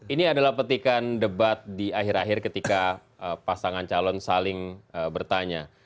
ini adalah petikan debat di akhir akhir ketika pasangan calon saling bertanya